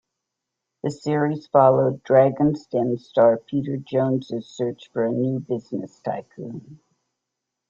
The series followed "Dragons' Den" star Peter Jones' search for a new business tycoon.